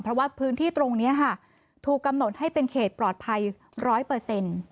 เพราะว่าพื้นที่ตรงนี้ค่ะถูกกำหนดให้เป็นเขตปลอดภัยร้อยเปอร์เซ็นต์